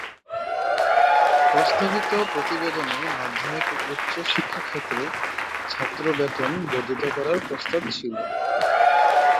প্রস্তাবিত প্রতিবেদনে মাধ্যমিক ও উচ্চ শিক্ষা ক্ষেত্রে ছাত্র বেতন বর্ধিত করার প্রস্তাব ছিল।